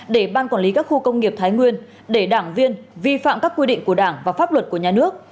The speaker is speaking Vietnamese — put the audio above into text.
để ban quản lý các khu công nghiệp thái nguyên để đảng viên vi phạm các quy định của đảng và pháp luật của nhà nước